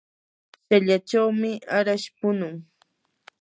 shallachawmi arash punun.